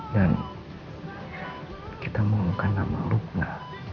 dan kita menggunakan nama rukna